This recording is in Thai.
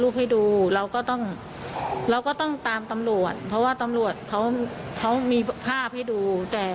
รูปให้ดูเราก็ต้องตามตำรวจเพราะว่าตำรวจเขามีภาพให้ดู